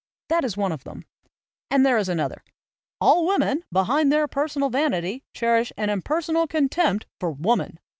That is one of them, and there is another: "All women behind their per sonal vanity cherish an impersonal contempt for Woman."